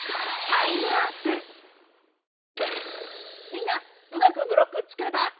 みんなうまくブロックつくれた？